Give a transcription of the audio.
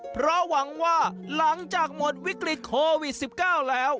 เพราะหวังว่าหลังจากหมดวิกฤตโควิด๑๙แล้ว